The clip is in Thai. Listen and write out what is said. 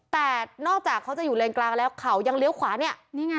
แต่นอกจากเขาจะอยู่เลนกลางแล้วเขายังเลี้ยวขวาเนี่ยนี่ไง